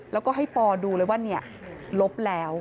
แล้วก็ให้ปอดูเลยว่าลบแล้ว